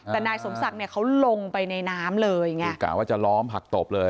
แต่นายสมศักดิ์เนี่ยเขาลงไปในน้ำเลยไงกะว่าจะล้อมผักตบเลย